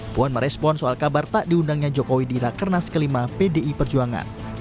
puan merespon soal kabar tak diundangnya jokowi di rakernas kelima pdi perjuangan